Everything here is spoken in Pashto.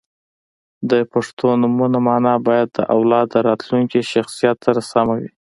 • د پښتو نومونو مانا باید د اولاد د راتلونکي شخصیت سره سمه وي.